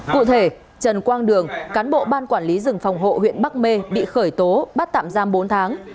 cụ thể trần quang đường cán bộ ban quản lý rừng phòng hộ huyện bắc mê bị khởi tố bắt tạm giam bốn tháng